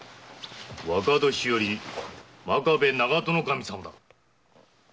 若年寄の真壁長門守様だ。